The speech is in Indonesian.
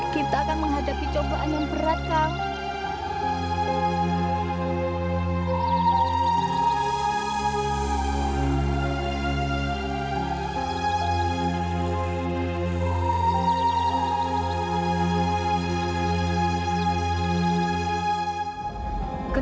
kita akan menghadapi cobaan yang berat kang